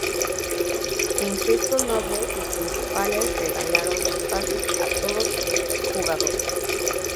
En gesto noble sus principales regalaron los pases a todos sus jugadores.